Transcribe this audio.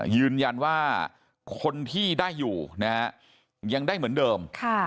ยืนยันว่าคนที่ได้อยู่นะฮะยังได้เหมือนเดิม